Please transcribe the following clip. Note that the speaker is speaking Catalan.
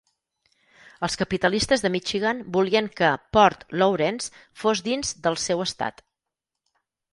Els capitalistes de Michigan volien que Port Lawrence fos dins "del seu" estat.